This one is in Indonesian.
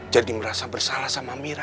merasa bersalah sama mira